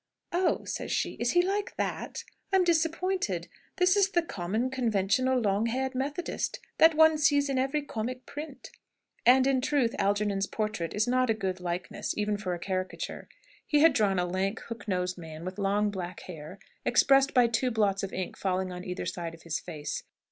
"Oh," says she, "is he like that? I am disappointed. This is the common, conventional, long haired Methodist, that one sees in every comic print." And in truth Algernon's portrait is not a good likeness, even for a caricature. He had drawn a lank, hook nosed man, with long, black hair, expressed by two blots of ink falling on either side of his face.